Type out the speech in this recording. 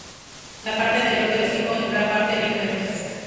La parte anterior del hocico en gran parte libre de manchas.